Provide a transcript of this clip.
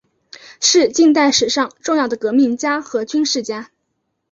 是近代史上重要的革命家和军事家。